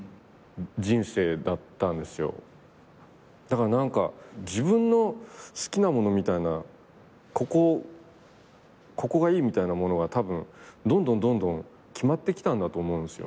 だから何か自分の好きなものみたいなここここがいいみたいなものがたぶんどんどんどんどん決まってきたんだと思うんです。